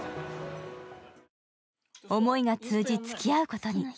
思いが通じ、付き合うことに。